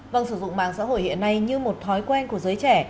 vâng sử dụng mạng xã hội hiện nay như một thói quen của giới trẻ